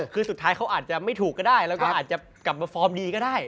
คือสุดท้ายเขาอาจจะไม่ถูกก็ได้แล้วก็อาจจะกลับมาฟอร์มดีก็ได้